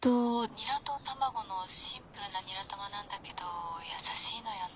ニラと卵のシンプルなニラ玉なんだけど優しいのよね。